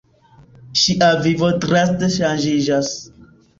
Ŝia vivo draste ŝanĝiĝas.